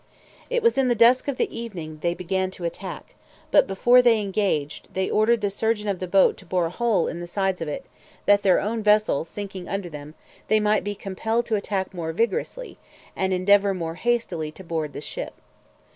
It was in the dusk of the evening they began to attack; but before they engaged, they ordered the surgeon of the boat to bore a hole in the sides of it, that their own vessel sinking under them, they might be compelled to attack more vigorously, and endeavour more hastily to board the ship.